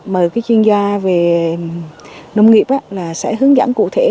mời chuyên gia về nông nghiệp sẽ hướng dẫn cụ thể